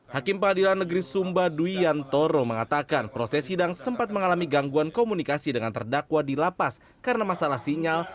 hakim pengadilan negeri sumba dwi yantoro mengatakan proses sidang sempat mengalami gangguan komunikasi dengan terdakwa di lapas karena masalah sinyal